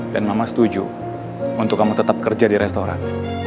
dan mama setuju untuk kamu tetap kerja di restoran